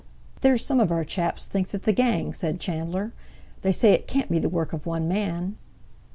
"There's some of our chaps thinks it's a gang," said Chandler. "They say it can't be the work of one man."